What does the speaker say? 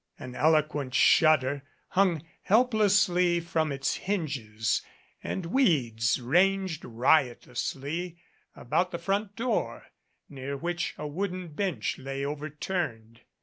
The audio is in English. An eloquent shutter hung helplessly from its hinges and weeds ranged riotously about the front door, near which a wooden bench lay overturned.